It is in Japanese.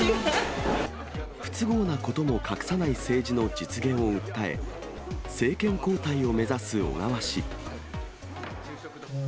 不都合なことも隠さない政治の実現を訴え、政権交代を目指す小川氏。